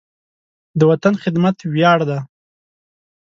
د وطن خدمت ویاړ دی.